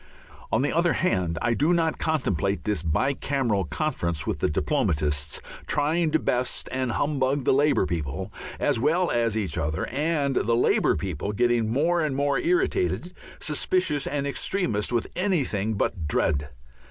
On the other hand, I do not contemplate this bi cameral conference with the diplomatists trying to best and humbug the Labour people as well as each other and the Labour people getting more and more irritated, suspicious, and extremist, with anything but dread.